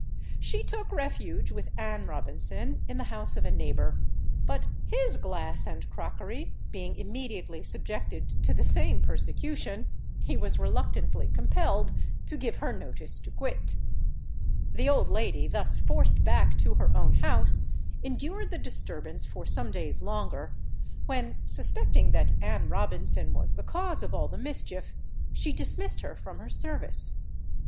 She took refuge with Anne Robinson in the house of a neighbour; but his glass and crockery being immediately subjected to the same persecution, he was reluctantly compelled to give her notice to quit. The old lady thus forced back to her own house, endured the disturbance for some days longer, when suspecting that Anne Robinson was the cause of all the mischief, she dismissed her from her service.